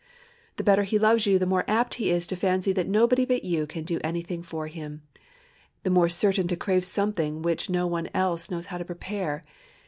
The better he loves you the more apt is he to fancy that nobody but you can do anything for him; the more certain to crave something which no one else knows how to prepare.